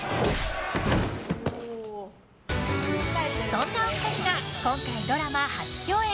そんなお二人が今回ドラマ初共演。